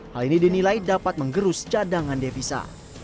hal ini dinilai dapat menggerus cadangan devisa